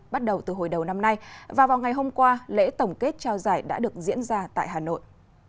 bắt đầu từ hồi đầu năm nay và vào ngày hôm qua lễ tổng kết trao giải đã được diễn ra tại hà nội